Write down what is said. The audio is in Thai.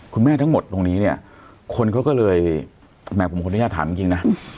คุณแม่ทั้งหมดตรงนี้เนี่ยคนเขาก็เลยแหมผมควรได้ยาถามจริงจริงน่ะ